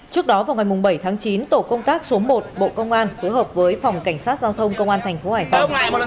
trước đó vào ngày bảy tháng chín tổ công tác số một bộ công an phối hợp với phòng cảnh sát giao thông công an thành phố hải phòng